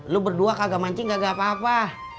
lu berdua kagak mancing kagak apa apa